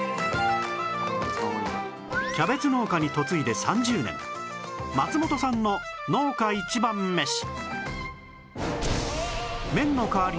キャベツ農家に嫁いで３０年松本さんの農家一番メシ